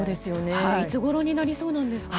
いつごろになりそうなんですか？